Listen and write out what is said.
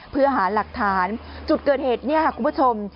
เพื่อหาหลักฐานจุดเกิดเหตุเนี่ยค่ะคุณผู้ชม